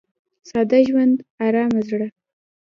• ساده ژوند، ارامه زړه.